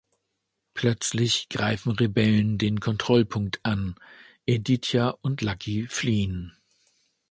Plötzlich greifen Rebellen den Kontrollpunkt an, Aditya und Lucky fliehen.